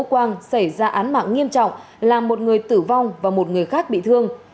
quang xảy ra án mạng nghiêm trọng làm một người tử vong và một người khác bị thương